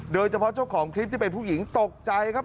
โดยเฉพาะเจ้าของคลิปที่เป็นผู้หญิงตกใจครับ